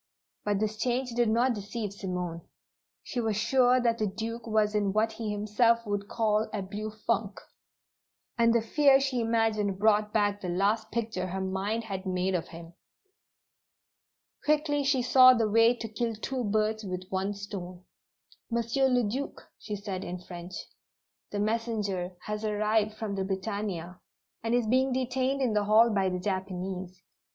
But this change did not deceive Simone. She was sure that the Duke was in what he himself would call a "blue funk," and the fear she imagined brought back the last picture her mind had made of him. Quickly she saw the way to kill two birds with one stone. "Monsieur le Duc," she said in French. "The messenger has arrived from the Britannia, and is being detained in the hall by the Japanese.